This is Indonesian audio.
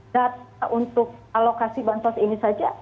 dan untuk alokasi bansos ini saja